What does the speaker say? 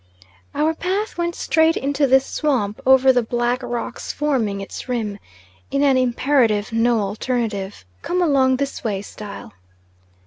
Our path went straight into this swamp over the black rocks forming its rim, in an imperative, no alternative, "Come along this way" style.